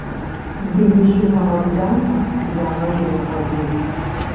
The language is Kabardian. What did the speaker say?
Биижь умыгъэблагъэ, благъэжь умыгъэбий.